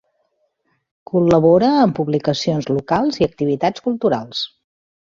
Col·labora en publicacions locals i activitats culturals.